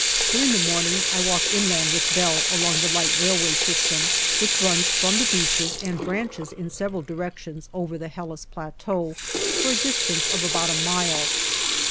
During the morning I walk inland with Bell along the light railway system, which runs from the beaches and branches in several directions over the Helles Plateau, for a distance of about a mile.